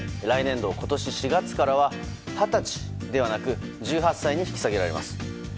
来年度の今年４月からは二十歳ではなく１８歳に引き下げられます。